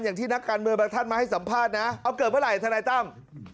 อย่างที่นักการเมืองบางท่านมาให้สัมภาษณ์นะเอาเกิดเมื่อไหร่ทนายตั้ม